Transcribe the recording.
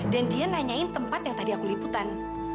dan dia nanyain tempat yang tadi aku liputan